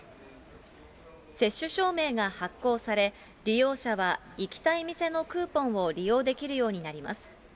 接種証明が発行され、利用者は、行きたい店のクーポンを利用できるようになります。